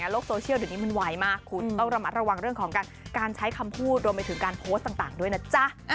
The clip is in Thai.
โลกโซเชียลเดี๋ยวนี้มันไวมากคุณต้องระมัดระวังเรื่องของการใช้คำพูดรวมไปถึงการโพสต์ต่างด้วยนะจ๊ะ